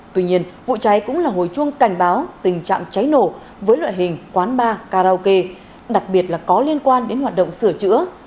tuy nhiên vụ cháy cũng là hồi chuông cảnh báo tình trạng cháy nổ với loại hình quán bar karaoke đặc biệt là có liên quan đến hoạt động sửa chữa